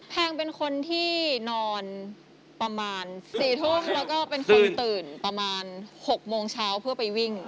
แพงเป็นคนที่นอนประมาณ๔ทุ่มแล้วก็เป็นคนตื่นประมาณ๖โมงเช้าเพื่อไปวิ่ง